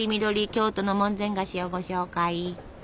京都の門前菓子をご紹介！